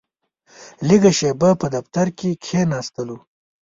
لږه شېبه په دفتر کې کښېناستلو.